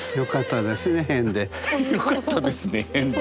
よかったですね変で。